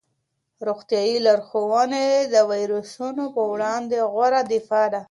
روغتیايي لارښوونې د ویروسونو په وړاندې غوره دفاع ده.